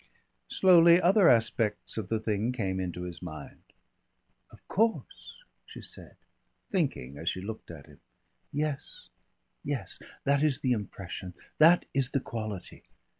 Slowly other aspects of the thing came into his mind. "Of course," she said, thinking as she looked at him. "Yes. Yes. That is the impression. That is the quality.